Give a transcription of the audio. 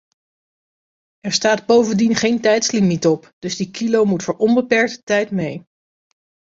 Er staat bovendien geen tijdslimiet op, dus die kilo moet voor onbeperkte tijd mee.